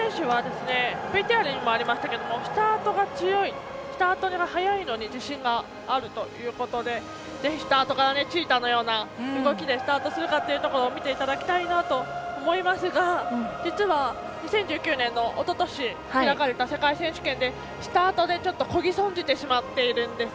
生馬選手は、スタートが強いスタートが速いのに自信があるということでぜひスタートからチーターのような動きでスタートするかを見ていただきたいなと思いますが実は２０１９年のおととし開かれた世界選手権で、スタートでちょっとこぎ損じてしまっているんです。